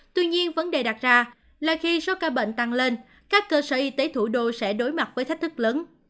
tuy nhiên vấn đề đặt ra là khi số ca bệnh tăng lên các cơ sở y tế thủ đô sẽ đối mặt với thách thức lớn